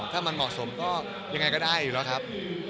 ถ้ามันเหมาะสมก็ยังไงก็ได้อยู่แล้วครับ